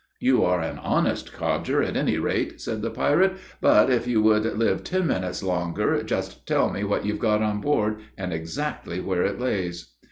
"You are an honest codger, at any rate," said the pirate; "but, if you would live ten minutes longer, just tell me what you've got on board, and exactly where it lays."